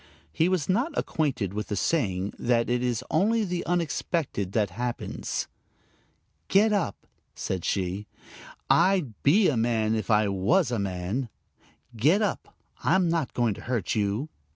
He was not acquainted with the saying that it is only the unexpected that happens. "Get up," said she. "I'd be a man if I was a man. Get up. I'm not going to hurt you."